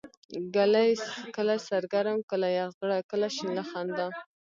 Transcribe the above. کله سر ګرم ، کله يخ زړه، کله شين له خندا